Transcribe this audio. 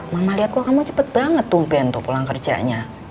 mama lihat kok kamu cepet banget tuh ben tuh pulang kerjanya